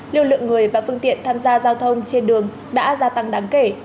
lưu lượng người và phương tiện tham gia giao thông trên đường đã gia tăng đáng kể